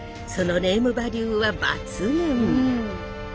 そのネームバリューは抜群。